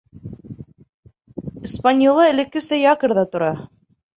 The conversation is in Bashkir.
«Испаньола» элеккесә якорҙа тора.